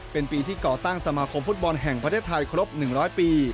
เป็นปีที่ก่อตั้งสมาคมฟุตบอลแห่งประเทศไทยครบ๑๐๐ปี